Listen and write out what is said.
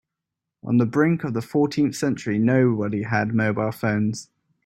On the brink of the fourteenth century, nobody had mobile phones.